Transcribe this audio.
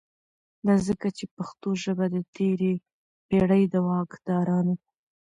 دا ځکه چې پښتو ژبه د تیری پیړۍ دواکدارانو